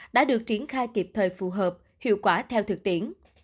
đã được triển khai kịp thời phù hợp hiệu quả theo thực tiễn